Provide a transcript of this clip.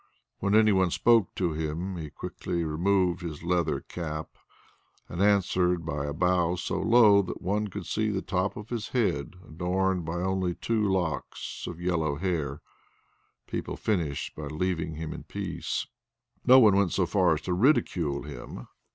When any one spoke to him, he quickly removed his leather cap, and answered by a bow so low that one could see the top of his head adorned only by two locks of yellow hair. People finished by leaving him in peace. No one went so far as to ridicule him.